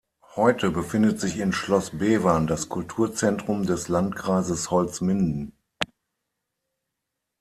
Heute befindet sich in Schloss Bevern das Kulturzentrum des Landkreises Holzminden.